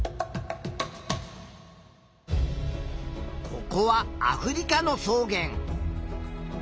ここはアフリカの草原。